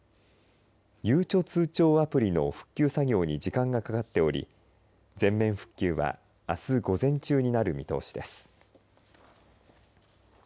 ゆうちょ通帳アプリの復旧作業に時間がかかっており全面復旧はあす午前中になる見通しです。